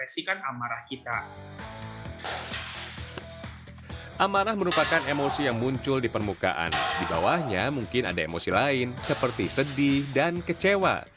sampai jumpa di video selanjutnya